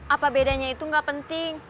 apa bedanya itu gak penting